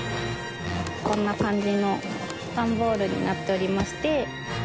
こんな感じのダンボールになっておりまして。